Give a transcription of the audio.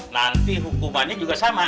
nanti hukumannya juga sama